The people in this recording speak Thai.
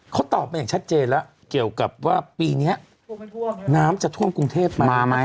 เขาตอบมาอย่างชัดเจนแล้วเกี่ยวกับว่าปีนี้น้ำจะท่วมกรุงเทพไหม